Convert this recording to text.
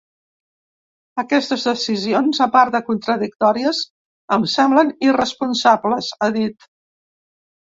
Aquestes decisions, a part de contradictòries, em semblen irresponsables, ha dit.